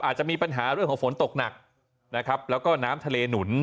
อาจจะมีปัญหาเรื่องของฝนตกหนักนะครับแล้วก็น้ำทะเลหนุน